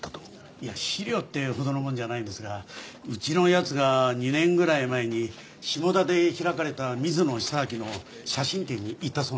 いや資料っていうほどのものじゃないんですがうちの奴が２年ぐらい前に下田で開かれた水野久明の写真展に行ったそうなんです。